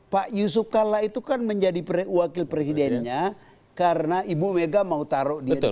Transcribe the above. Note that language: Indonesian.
pak yusuf kalla itu kan menjadi wakil presidennya karena ibu mega mau taruh dia